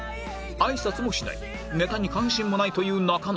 あいさつもしないネタに関心もないという中野